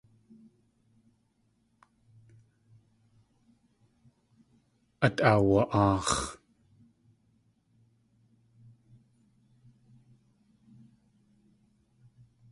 Át aawa.aax̲.